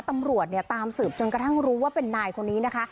ตำรวจเนี่ยตามสืบจนกระทั่งรู้ว่าเป็นนายคนนี้นะคะ